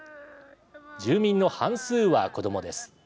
住民の半数は子どもです。